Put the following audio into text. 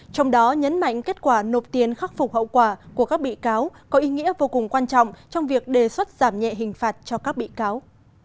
trong đó nhấn mạnh kết quả nộp tiền khắc phục hậu quả của các bị cáo có ý nghĩa vô cùng quan trọng trong việc đề xuất giảm nhẹ hình phạt cho các bị cáo